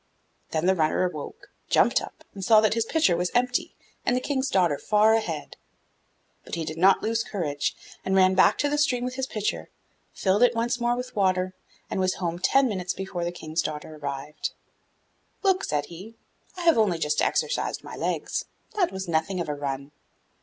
Then the runner awoke, jumped up, and saw that his pitcher was empty and the King's daughter far ahead. But he did not lose courage, and ran back to the stream with his pitcher, filled it once more with water, and was home ten minutes before the King's daughter arrived. 'Look,' said he, 'I have only just exercised my legs; that was nothing of a run.